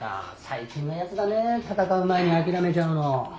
最近のやつだね戦う前に諦めちゃうの。